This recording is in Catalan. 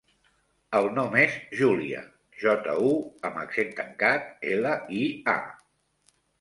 El nom és Júlia: jota, u amb accent tancat, ela, i, a.